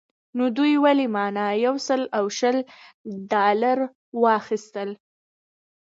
نو دوی ولې مانه یو سل او شل ډالره واخیستل.